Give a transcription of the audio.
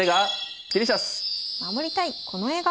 守りたいこの笑顔。